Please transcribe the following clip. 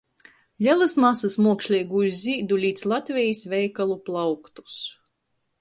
Lelys masys muoksleigūs zīdu "līc" Latvejis veikalu plauktus.